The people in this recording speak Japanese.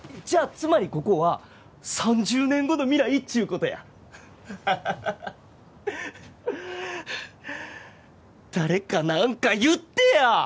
つまりここは３０年後の未来っちゅうことやはははは誰か何か言ってや！